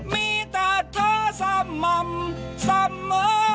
มีแต่เธอสม่ำเสมอ